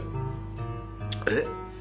えっ？